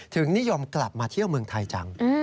นิยมกลับมาเที่ยวเมืองไทยจัง